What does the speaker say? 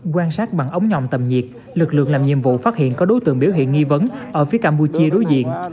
quan sát bằng ống nhòm tầm nhiệt lực lượng làm nhiệm vụ phát hiện có đối tượng biểu hiện nghi vấn ở phía campuchia đối diện